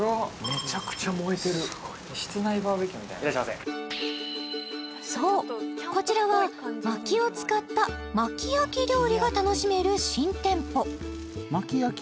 めちゃくちゃ燃えてる・室内バーベキューみたいいらっしゃいませそうこちらは薪を使った薪焼き料理が楽しめる新店舗